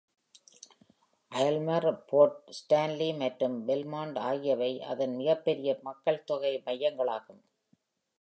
Aylmer, Port Stanley மற்றும் Belmont ஆகியவை அதன் மிகப்பெரிய மக்கள் தொகை மையங்களாகும்.